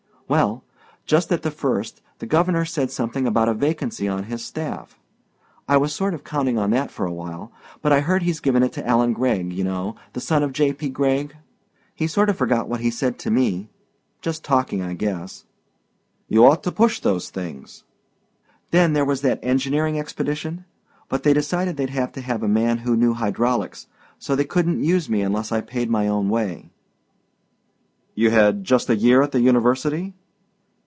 "Well, just at the first the governor said something about a vacancy on his staff. I was sort of counting on that for a while, but I hear he's given it to Allen Gregg, you know, son of G. P. Gregg. He sort of forgot what he said to me just talking, I guess." "You ought to push those things." "Then there was that engineering expedition, but they decided they'd have to have a man who knew hydraulics, so they couldn't use me unless I paid my own way." "You had just a year at the university?"